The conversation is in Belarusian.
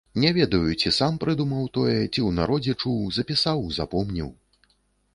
Не ведаю, ці сам прыдумаў тое, ці ў народзе чуў, запісаў, запомніў.